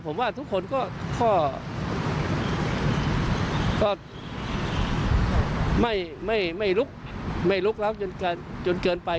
ผมว่าทุกคนก็ไม่ลุกล้ำจนเกินไป